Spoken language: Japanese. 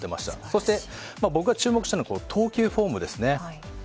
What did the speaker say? そして、僕が注目したのは投球フォームですね。